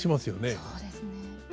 そうですね。